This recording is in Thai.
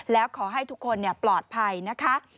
แล้วขอให้ทุกคนปลอดภัยนะคะ